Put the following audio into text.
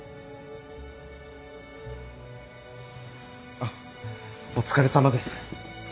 あっお疲れさまです。